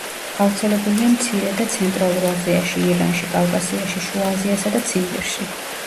გავრცელებულია მცირე და ცენტრალურ აზიაში, ირანში, კავკასიაში, შუა აზიასა და ციმბირში.